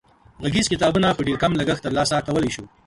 غږیز کتابونه په ډېر کم لګښت تر لاسه کولای شو.